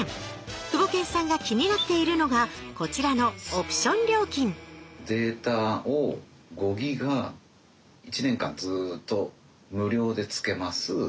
クボケンさんが気になっているのがこちらのオプション料金データを５ギガ１年間ずっと無料で付けます。